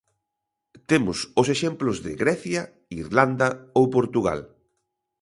Temos os exemplos de Grecia, Irlanda ou Portugal.